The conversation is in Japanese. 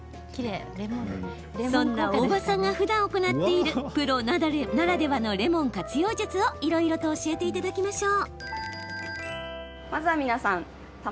そんな大場さんがふだん行っているプロならではのレモン活用術を、いろいろと教えていただきましょう。